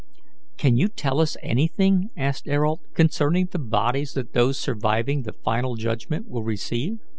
"Can you tell us anything," asked Ayrault, "concerning the bodies that those surviving the final judgment will receive?"